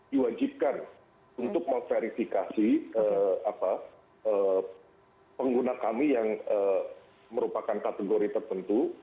diwajibkan untuk memverifikasi pengguna kami yang merupakan kategori tertentu